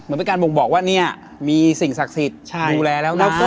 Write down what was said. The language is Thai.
เป็นการบ่งบอกว่าเนี่ยมีสิ่งศักดิ์สิทธิ์ดูแลแล้วเลิก